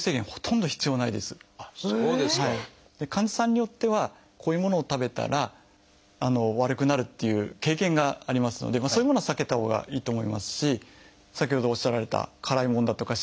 患者さんによってはこういうものを食べたら悪くなるっていう経験がありますのでそういうものは避けたほうがいいと思いますし先ほどおっしゃられた辛いものだとか刺激物。